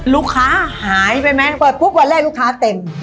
ลูกค้าหายไปไหมเปิดปุ๊บวันแรกลูกค้าเต็ม